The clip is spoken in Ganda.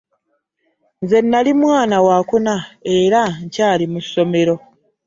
Nze nali mwana wa kuna era nkyaali mu ssomero.